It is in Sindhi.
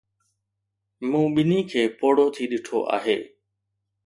مون ٻنهي کي پوڙهو ٿي ڏٺو آهي.